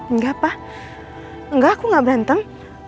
enggak apa enggak aku nggak berantem